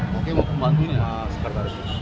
koki mau membantunya